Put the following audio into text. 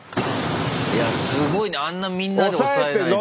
すごいねあんなみんなで押さえない。